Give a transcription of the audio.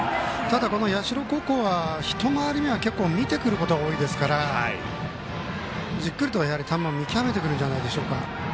社高校は一回り目は結構見てくることが多いですからじっくりと球を見極めてくるんじゃないでしょうか。